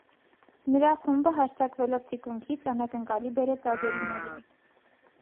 Նրա խումբը հարձակվելով թիկունքից՝ անակնկալի բերեց ազերիներին։